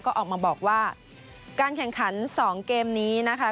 ก็ออกมาบอกว่าการแข่งขัน๒เกมนี้นะคะ